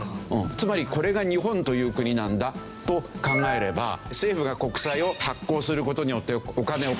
つまりこれが日本という国なんだと考えれば政府が国債を発行する事によってお金を借りている。